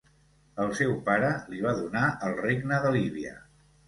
El seu pare li va donar el regne de Líbia.